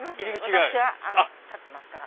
私が立ってますから。